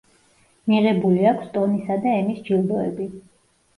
მიღებული აქვს ტონისა და ემის ჯილდოები.